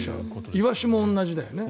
イワシも同じだよね。